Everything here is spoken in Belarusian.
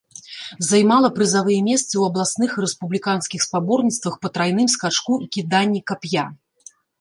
Займала прызавыя месцы ў абласных і рэспубліканскіх спаборніцтвах па трайным скачку і кіданні кап'я.